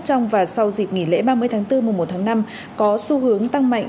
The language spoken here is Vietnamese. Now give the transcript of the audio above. trong và sau dịp nghỉ lễ ba mươi tháng bốn mùa một tháng năm có xu hướng tăng mạnh